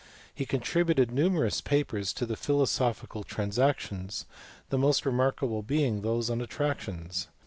He contributed numerous papers to the Philosophical Transactions, the most remarkable being those on attractions.